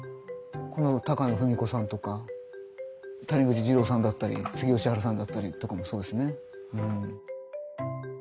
高野文子さんとか谷口ジローさんだったりつげ義春さんだったりとかもそうですね。